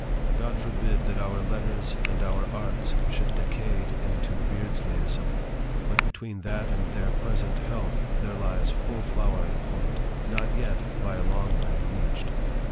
God forbid that our Letters and our Arts should decade into Beardsleyism; but between that and their present "health" there lies full flowering point, not yet, by a long way, reached.